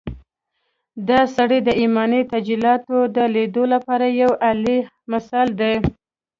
دا سړی د ايماني تجلياتود ليدو لپاره يو اعلی مثال دی.